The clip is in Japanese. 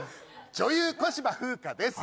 女優小芝風花です。